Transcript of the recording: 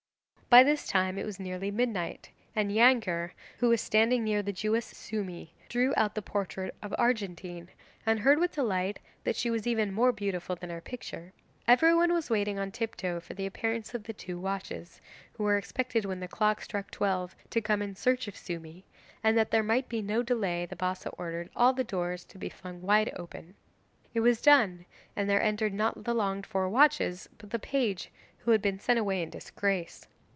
By this time it was nearly midnight and Neangir, who was standing near the Jewess Sumi, drew out the portrait of Argentine, and heard with delight that she was even more beautiful than her picture. Everyone was waiting on tip toe for the appearance of the two watches, who were expected when the clock struck twelve to come in search of Sumi, and that there might be no delay the Bassa ordered all the doors to be flung wide open. It was done, and there entered not the longed for watches, but the page who had been sent away in disgrace.